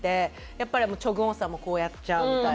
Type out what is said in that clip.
やっぱりチョ・グォンさんもこうやっちゃうみたいな。